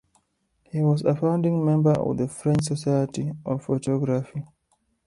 He was a founding member of the French Society of Photography.